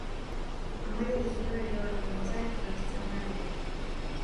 あまりにひどい料理でモザイクが必要なレベル